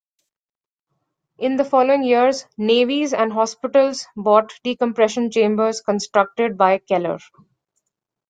In the following years, navies and hospitals bought decompression chambers constructed by Keller.